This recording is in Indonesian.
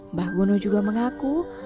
mbah gono juga mengaku